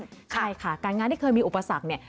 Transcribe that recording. ใช่ค่ะการงานที่เคยมีอุปสรรคเนี่ย